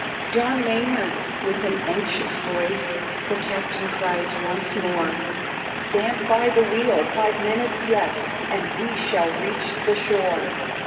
"John Maynard!" with an anxious voice The captain cries once more, "Stand by the wheel five minutes yet, And we shall reach the shore."